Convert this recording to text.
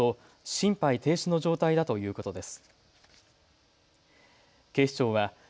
心肺停止の状態だということです。